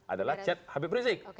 adalah chat habib prisik